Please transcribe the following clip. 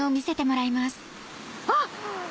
あっ！